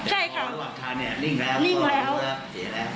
ลิ่งแล้วเจ็บแล้ว